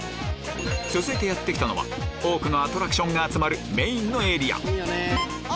続いてやって来たのは多くのアトラクションが集まるメインのエリアあ！